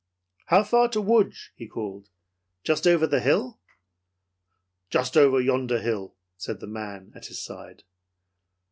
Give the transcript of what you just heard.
"How far to Lodz?" he called. "Just over the hill?" "Just over yonder hill," said the man at his side.